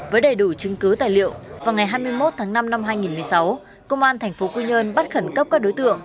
với đầy đủ chứng cứ tài liệu vào ngày hai mươi một tháng năm năm hai nghìn một mươi sáu công an tp quy nhơn bắt khẩn cấp các đối tượng